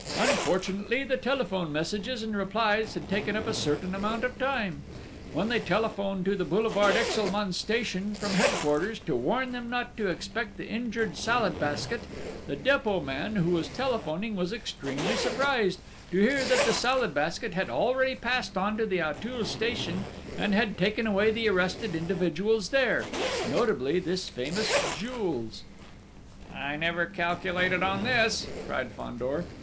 Unfortunately the telephone messages and replies had taken up a certain amount of time. When they telephoned to the boulevard Exelmans station, from Headquarters, to warn them not to expect the injured Salad Basket, the Dépôt man who was telephoning was extremely surprised to hear that the Salad Basket had already passed on to the Auteuil station and had taken away the arrested individuals there, notably this famous Jules!..." "I never calculated on this!" cried Fandor.